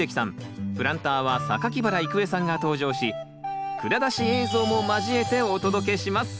プランターは原郁恵さんが登場し蔵出し映像も交えてお届けします。